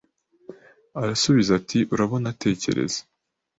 Arasubiza ati Urabona tekereza